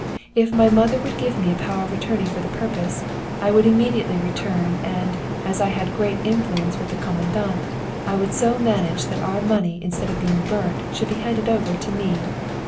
If my mother would give me a power of attorney for the purpose, I would immediately return, and as I had great influence with the Commandant, I would so manage that our money instead of being burnt should be handed over to me.